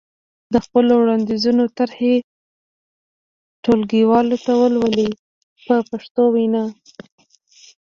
د خپلو وړاندیزونو طرحې ټولګیوالو ته ولولئ په پښتو وینا.